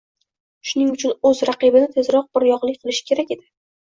Shuning uchun u o’z raqibini tezroq bir yoqlik qilishi kerak edi.